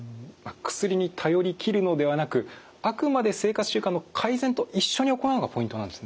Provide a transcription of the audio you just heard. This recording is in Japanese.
薬に頼り切るのではなくあくまで生活習慣の改善と一緒に行うのがポイントなんですね。